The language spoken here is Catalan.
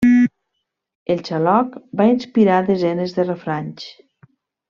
El xaloc va inspirar desenes de refranys.